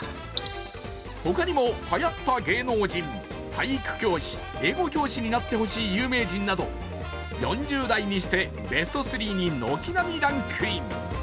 他にも流行った芸能人、体育教師・英語教師になってほしい有名人など４０代にしてベスト３に軒並みランクイン。